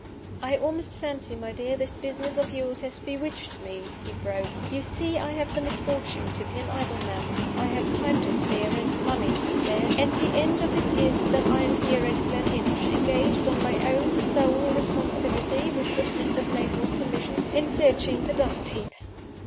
"I almost fancy, my dear, this business of yours has bewitched me," he wrote. "You see I have the misfortune to be an idle man. I have time to spare and money to spare. And the end of it is that I am here at Gleninch, engaged on my own sole responsibility (with good Mr. Playmore's permission) in searching the dust heap!"